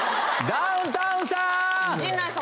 ダウンタウンさん。